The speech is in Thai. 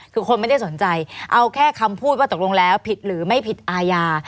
คือคนไม่ได้สนใจเอาแค่คำพูดว่าตกลงแล้วผิดหรือไม่ผิดอาญา